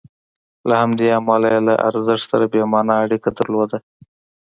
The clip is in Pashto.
له همدې امله یې له ارزښت سره بې معنا اړیکه درلوده.